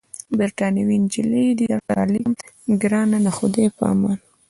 بریتانوۍ نجلۍ دي درته رالېږم، ګرانه د خدای په امان.